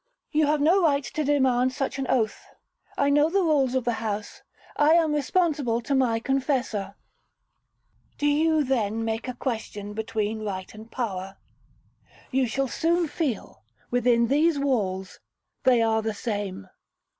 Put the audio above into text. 'You have no right to demand such an oath. I know the rules of the house—I am responsible to the confessor.' 'Do you, then, make a question between right and power? You shall soon feel, within these walls, they are the same.'